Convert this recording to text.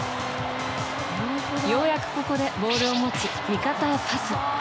ようやくここでボールを持ち味方へパス。